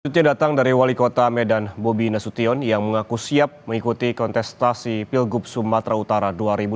selanjutnya datang dari wali kota medan bobi nasution yang mengaku siap mengikuti kontestasi pilgub sumatera utara dua ribu delapan belas